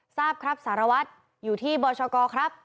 ทราบครับสารวัตรอยู่ที่บชกครับ